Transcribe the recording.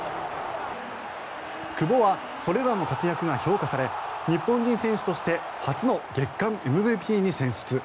久保はそれらの活躍が評価され日本人選手として初の月間ＭＶＰに選出。